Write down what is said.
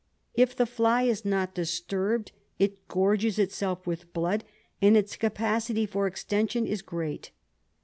If the fly is not disturbed it gorges itself with blood, and its capacity for extension is great.